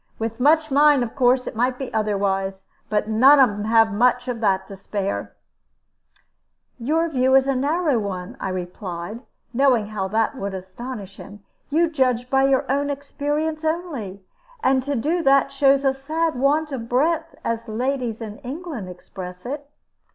With much mind, of course it might be otherwise. But none of 'em have any much of that to spare." "Your view is a narrow one," I replied, knowing how that would astonish him. "You judge by your own experience only; and to do that shows a sad want of breadth, as the ladies in England express it."